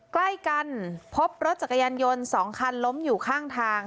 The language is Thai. ใกล้กันพบรถจักรยานยนต์๒คันล้มอยู่ข้างทาง